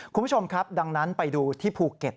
คุณผู้ชมครับดังนั้นไปดูที่ภูเก็ต